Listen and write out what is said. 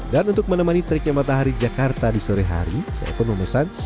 dan untuk menemani treknya matahari jakarta di sore hari saya pun memesan satu cup gelato